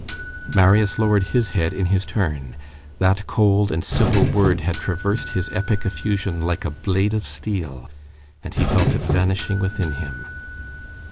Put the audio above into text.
Marius lowered his head in his turn; that cold and simple word had traversed his epic effusion like a blade of steel, and he felt it vanishing within him.